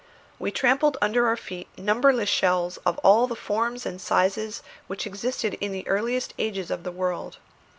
We trampled under our feet numberless shells of all the forms and sizes which existed in the earliest ages of the world.